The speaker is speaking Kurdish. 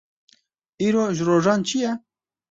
Îro ji rojan çi ye?